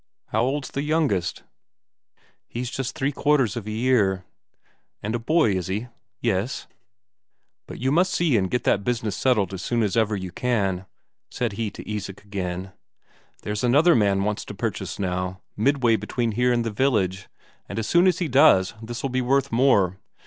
"How old's the youngest?" "He's just three quarters of a year." "And a boy, is he?" "Yes." "But you must see and get that business settled as soon as ever you can," said he to Isak again. "There's another man wants to purchase now, midway between here and the village, and as soon as he does, this'll be worth more.